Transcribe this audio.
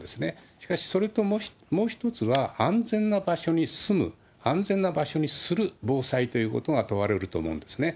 しかし、それともう一つは、安全な場所に住む、安全な場所にする防災ということが問われると思うんですね。